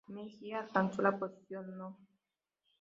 Mejía alcanzó la posición No.